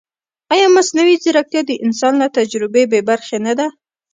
ایا مصنوعي ځیرکتیا د انسان له تجربې بېبرخې نه ده؟